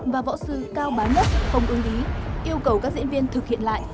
và võ sư cao bá nhất không ưng ý yêu cầu các diễn viên thực hiện lại